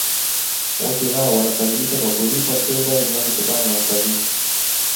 wote hao wanafaidika kwa kulipwa fedha zinazotokana na utalii